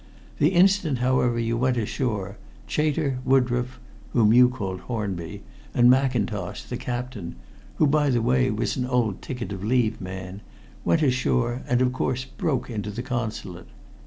The instant, however, you went ashore, Chater, Woodroffe whom you called Hornby and Mackintosh, the captain who, by the way, was an old ticket of leave man went ashore, and, of course, broke into the Consulate.